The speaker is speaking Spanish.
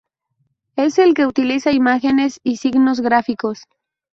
Es el que utiliza imágenes y signos gráficos.